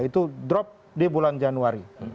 itu drop di bulan januari